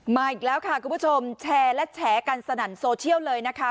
มาอีกแล้วค่ะคุณผู้ชมแชร์และแฉกันสนั่นโซเชียลเลยนะคะ